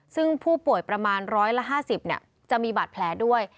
ซึ่งผู้ป่วยประมาณร้อยละ๕๐เนี่ยจะมีบาดแผลด้วย